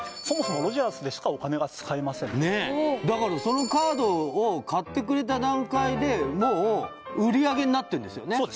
そもそもロヂャースでしかお金が使えませんねえだからそのカードを買ってくれた段階でもう売上になってんですよね